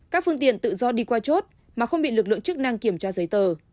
các phương tiện tự do đi qua chốt mà không bị lực lượng chức năng kiểm tra giấy tờ